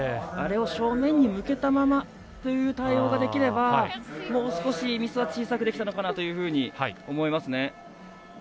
あれを正面に向けたままという対応ができればもう少しミスは小さくできたのかなというふうに思います。